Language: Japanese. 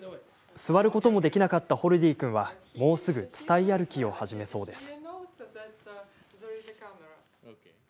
座ることもできなかったホルディー君はもうすぐ伝い歩きを始めそうです。